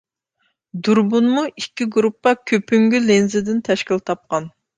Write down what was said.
دۇربۇنمۇ ئىككى گۇرۇپپا كۆپۈنگۈ لېنزىدىن تەشكىل تاپقان.